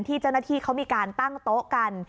เจ้าหน้าที่เขามีการตั้งโต๊ะกัน